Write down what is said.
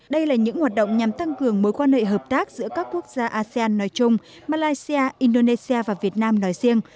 đây là những hoạt động nhằm tăng cường mối quan hệ hợp tác giữa các quốc gia asean nói chung malaysia indonesia và việt nam nói riêng